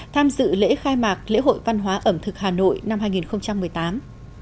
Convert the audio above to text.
tham dự lễ khai mạc lễ hội văn hóa ẩm thực hà nội năm hai nghìn một mươi tám